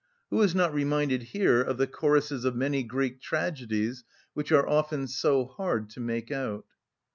Who is not reminded here of the choruses of many Greek tragedies which are often so hard to make out?